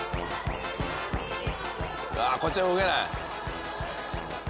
あっこっちは動けない。